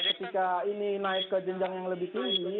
ketika ini naik ke jenjang yang lebih tinggi